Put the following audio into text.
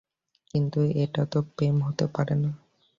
কিন্তু, এটাতো প্রেম হতে পারে না।